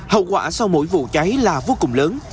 hậu quả sau mỗi vụ cháy là vô cùng lớn